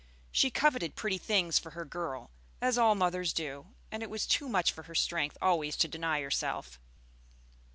She coveted pretty things for her girl, as all mothers do, and it was too much for her strength always to deny herself.